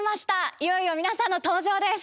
いよいよ皆さんの登場です。